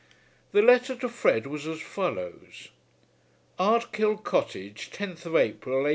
The letter to Fred was as follows; ARDKILL COTTAGE, 10th April, 18